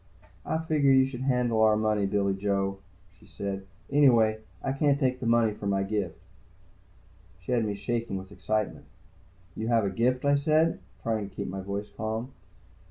"I figured you should handle our money, Billy Joe," she said. "Anyway, can't take money for my gift." She had me shaking with excitement. "You have a gift?" I said, trying to keep my voice calm.